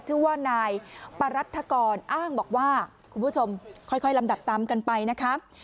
ชื่อว่านายปรัฐกรอ้างบอกว่าคุณผู้ชมค่อยลำดับตามกันไปนะคะ